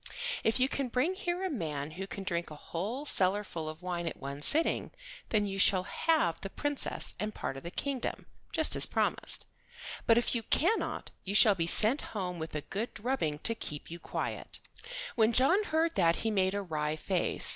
If you can bring here a man who can drink a whole cellar full of wine at one sitting then you shall have the Princess and part of the kingdom, just as promised; but if you cannot you shall be sent home with a good drubbing to keep you quiet." When John heard that he made a wry face.